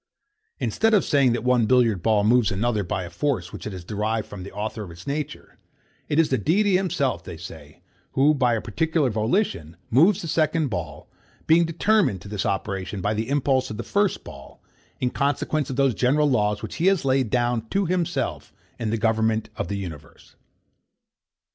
Instead of saying that one billiard ball moves another by a force which it has derived from the author of nature, it is the Deity himself, they say, who, by a particular volition, moves the second ball, being determined to this operation by the impulse of the first ball, in consequence of those general laws which he has laid down to himself in the government of the universe.